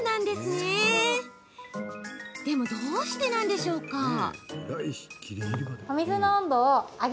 でも、どうしてなんでしょうか？